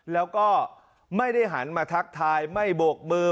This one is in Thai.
แล้วก็ไม่ได้หันมาทักทายไม่โบกมือ